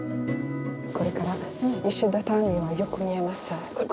これから石畳がよく見えます。